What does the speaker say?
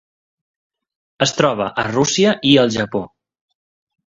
Es troba a Rússia i el Japó.